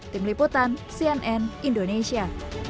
tim liputan cnn indonesia